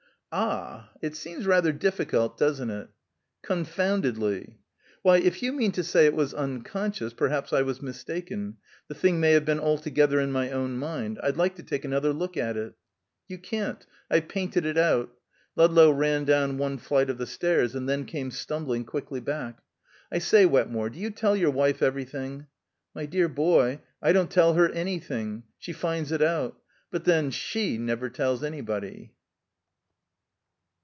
"Ah! It seems rather difficult, doesn't it?" "Confoundedly." "Why, if you mean to say it was unconscious, perhaps I was mistaken. The thing may have been altogether in my own mind. I'd like to take another look at it " "You can't. I've painted it out." Ludlow ran down one flight of the stairs, and then came stumbling quickly back. "I say, Wetmore. Do you tell your wife everything?" "My dear boy, I don't tell her anything. She finds it out. But, then, she never tells anybody."